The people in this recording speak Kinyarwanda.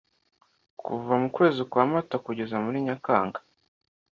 Kuva mu kwezi kwa Mata kugeza muri Nyakanga